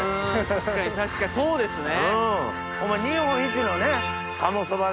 確かにそうですね。ホンマ。